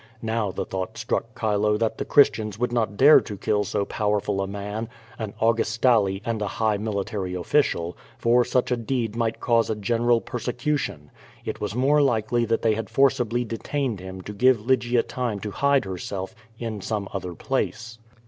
Now the thought struck Chilo that the Christians would not dare to kill so powerful a man, an Augustale, antl a high military oflieiaK for such a deed might cause a general persecution. It was nuire likely that they had forcibly de tained him to give Lygia time to hide herself in some other place.